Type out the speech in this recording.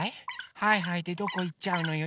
はいはいでどこいっちゃうのよ。